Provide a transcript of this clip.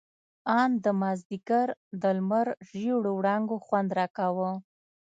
ان د مازديګر د لمر زېړو وړانګو خوند راکاوه.